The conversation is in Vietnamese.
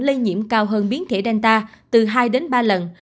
lây nhiễm cao hơn biến thể danta từ hai đến ba lần